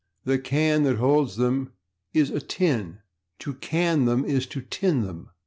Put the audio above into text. The /can/ that holds them is a /tin/; /to can/ them is /to tin/ them....